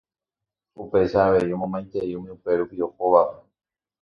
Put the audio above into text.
upéicha avei omomaitei umi upérupi ohóvape